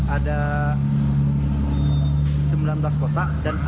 ada sembilan belas kotak